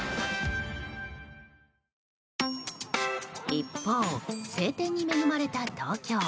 一方、晴天に恵まれた東京。